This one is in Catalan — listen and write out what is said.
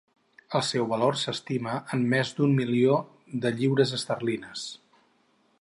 El seu valor s'estima en més d'un milió de lliures esterlines.